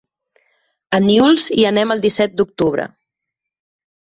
A Nules hi anem el disset d'octubre.